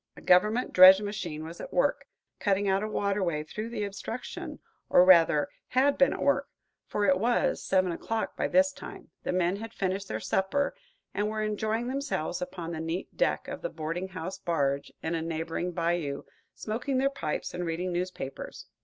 A government dredge machine was at work, cutting out a water way through the obstruction, or, rather, had been at work, for it was seven o'clock by this time, the men had finished their supper, and were enjoying themselves upon the neat deck of the boarding house barge, in a neighboring bayou, smoking their pipes and reading newspapers.